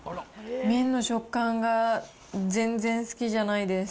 麺の食感が全然好きじゃないです。